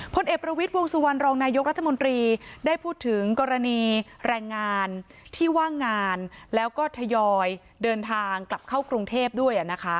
พลเอกประวิทย์วงสุวรรณรองนายกรัฐมนตรีได้พูดถึงกรณีแรงงานที่ว่างงานแล้วก็ทยอยเดินทางกลับเข้ากรุงเทพด้วย